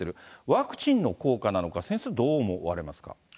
ワクチンの効果なのか、先生はどう思われますか？